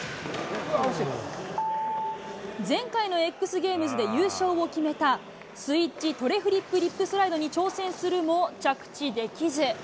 前回のＸゲームズで優勝を決めた、スイッチトレフリップリップスライドに挑戦するも、着地できず。